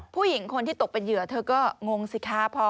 ผู้หญิงคนที่ตกเป็นเหยื่อเธอก็งงสิคะ